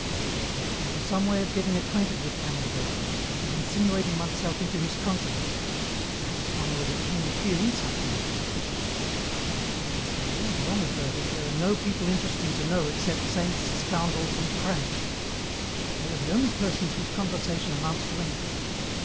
"Ah, if there were some way of getting acquainted with Canon Docre, of insinuating oneself into his confidence, perhaps one would attain clear insight into these questions. I learned long ago that there are no people interesting to know except saints, scoundrels, and cranks. They are the only persons whose conversation amounts to anything.